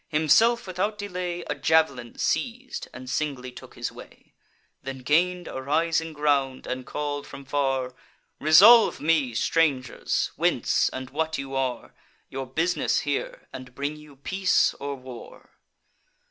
Himself without delay A jav'lin seiz'd, and singly took his way; Then gain'd a rising ground, and call'd from far: "Resolve me, strangers, whence, and what you are; Your bus'ness here; and bring you peace or war?"